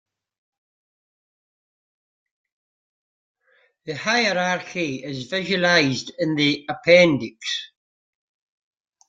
The hierarchy is visualized in the appendix.